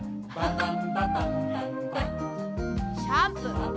シャンプー。